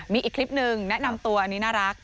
มีอีกคลิปหนึ่งแนะนำตัวอันนี้น่ารัก